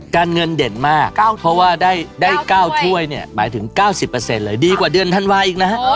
การเงินเด่นมากเพราะว่าได้๙ถ้วยเนี่ยหมายถึง๙๐เลยดีกว่าเดือนธันวาอีกนะฮะ